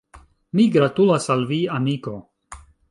Mi gratulas al vi, amiko